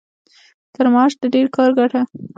تر معاش د ډېر کار ګټه.